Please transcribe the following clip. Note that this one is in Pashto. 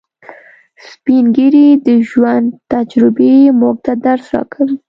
سپین ږیری د ژوند تجربې موږ ته درس راکوي